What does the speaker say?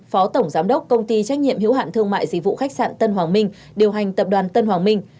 phó tổng giám đốc công ty trách nhiệm hiếu hạn thương mại dịch vụ khách sạn tân hoàng minh điều hành tập đoàn tân hoàng minh